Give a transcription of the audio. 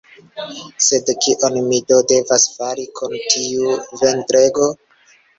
Sed kion mi do devas fari kun tiu ventrego?